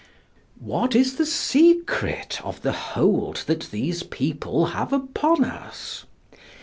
What is the secret of the hold that these people have upon us?